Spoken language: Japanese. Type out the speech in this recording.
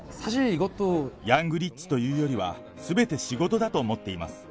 ヤングリッチというよりは、すべて仕事だと思っています。